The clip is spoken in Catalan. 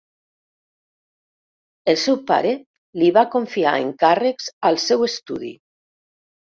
El seu pare li va confiar encàrrecs al seu estudi.